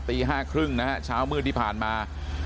ตี๕๓๐นะฮะเช้ามืดที่ผ่านมา